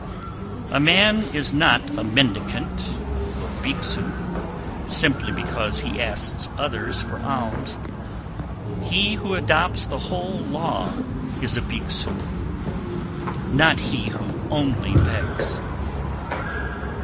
266. A man is not a mendicant (Bhikshu) simply because he asks others for alms; he who adopts the whole law is a Bhikshu, not he who only begs.